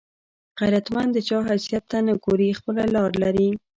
غیرتمند د چا حیثیت ته نه ګوري، خپله لار لري